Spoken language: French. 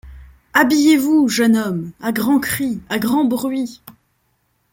Habillez-vous, jeune homme ! à grands cris, à grand bruit !